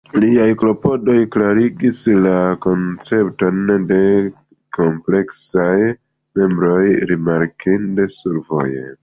Liaj klopodoj klarigis la koncepton de kompleksaj nombroj rimarkinde survoje.